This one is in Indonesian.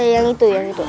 eh yang itu yang itu